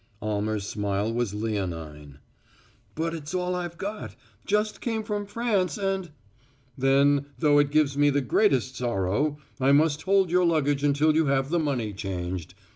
Almer's smile was leonine. "But it's all I've got; just came from France, and " "Then, though it gives me the greatest sorrow, I must hold your luggage until you have the money changed.